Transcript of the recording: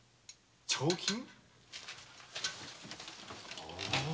「彫金」？